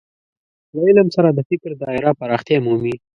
له علم سره د فکر دايره پراختیا مومي.